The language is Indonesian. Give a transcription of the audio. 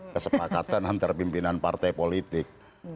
kesepakatan antar pimpinan partai politik